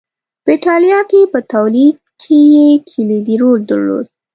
په اېټالیا کې په تولید کې یې کلیدي رول درلود